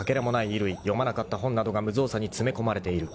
衣類読まなかった本などが無造作に詰め込まれている。